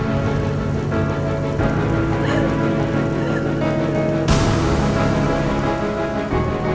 mereka udah begitu